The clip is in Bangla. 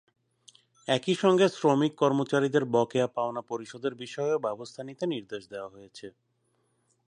একই সঙ্গে শ্রমিক-কর্মচারীদের বকেয়া পাওনা পরিশোধের বিষয়েও ব্যবস্থা নিতে নির্দেশ দেওয়া হয়েছে।